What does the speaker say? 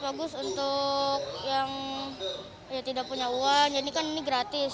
bagus untuk yang